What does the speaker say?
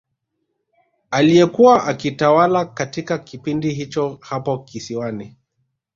Aliyekuwa akitawala katika kipindi hicho hapo kisiwani